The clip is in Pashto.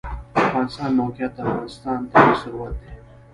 د افغانستان موقعیت د افغانستان طبعي ثروت دی.